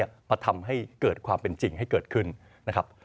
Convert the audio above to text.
มาทำให้เกิดความเป็นจริงให้เกิดขึ้นนะครับ